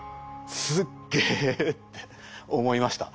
「すっげえ」って思いました。